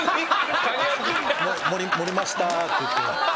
盛りましたっていって。